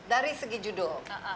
dari segi judul